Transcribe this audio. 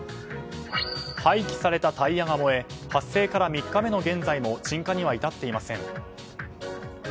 廃棄されたタイヤが燃え発生から３日目の現在も鎮火には至っていません。